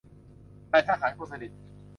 นายทหารคนสนิท